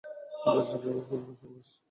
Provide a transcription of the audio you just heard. বেশ জাঁকজমকপূর্ণ প্রবেশ!